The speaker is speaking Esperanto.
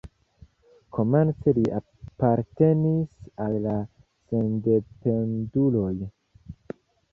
Komence li apartenis al la sendependuloj.